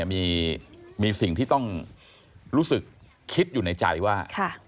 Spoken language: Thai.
มีสิ่งที่ต้องรู้สึกคิดอยู่ในใจว่า